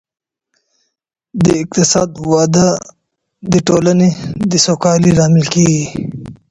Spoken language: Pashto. د اقتصاد وده د ټولني د سوکالۍ لامل کيږي.